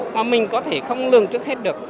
mà mình có thể không lường trước hết được